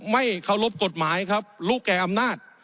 ไม่เคารพกฎหมายครับรู้แก่อำนาจ